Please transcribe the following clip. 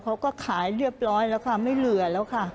เขาก็ขายเรียบร้อยแล้วค่ะไม่เหลือแล้วค่ะ